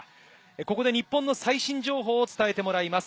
ここで日本の最新情報を伝えてもらいます。